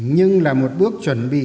nhưng là một bước chuẩn bị